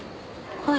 はい。